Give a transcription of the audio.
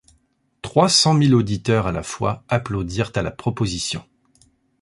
Trois cent mille auditeurs à la fois applaudirent à la proposition.